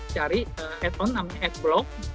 cari addon namanya adblock